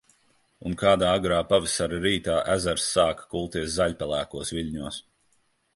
Un kādā agrā pavasara rītā, ezers sāka kulties zaļpelēkos viļņos.